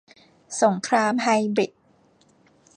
สงครามไฮบริด